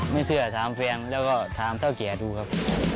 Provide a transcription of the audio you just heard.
ไม่เชื่อถามเพียงแล้วก็ถามเท่าเกียร์ดูครับ